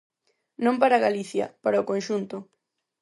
Non para Galicia, para o conxunto.